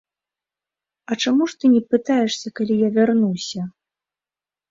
А чаму ж ты не пытаешся, калі я вярнуся?